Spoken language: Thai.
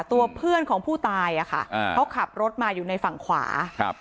ตัวเพื่อนของผู้ตายอ่ะค่ะอ่าเขาขับรถมาอยู่ในฝั่งขวาครับ